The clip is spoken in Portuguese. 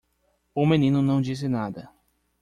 O menino não disse nada.